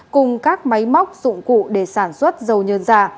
cùng các máy móc dụng cụ để sản xuất dầu nhờn giả